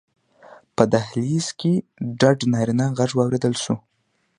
په دهلېز کې ډډ نارينه غږ واورېدل شو: